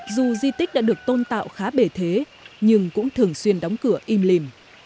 dù di tích đã được tôn tạo khá bể thế nhưng cũng thường xuyên đóng cửa im lìm